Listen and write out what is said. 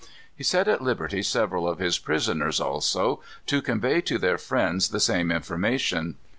He set at liberty several of his prisoners also, to convey to their friends the same information.